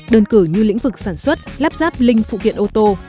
đơn cử như lĩnh vực sản xuất